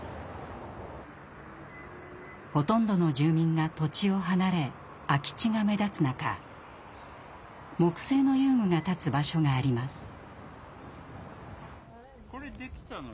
ほとんどの住民が土地を離れ空き地が目立つ中木製の遊具が立つ場所があります。